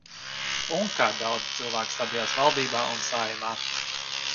Un kā daudzi cilvēki sabijās valdībā un Saeimā!